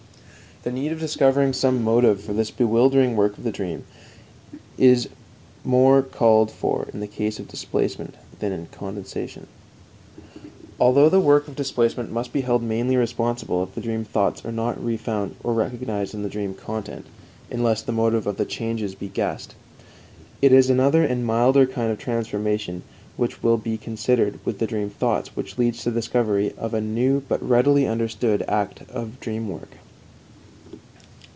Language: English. The need of discovering some motive for this bewildering work of the dream is even more called for in the case of displacement than in condensation. Although the work of displacement must be held mainly responsible if the dream thoughts are not refound or recognized in the dream content (unless the motive of the changes be guessed), it is another and milder kind of transformation which will be considered with the dream thoughts which leads to the discovery of a new but readily understood act of the dream work.